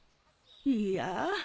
いや。